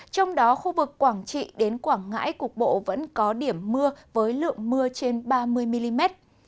trong đó khu vực quảng trị đến quảng ngãi cục bộ vẫn có điểm mưa với lượng mưa trên ba mươi mm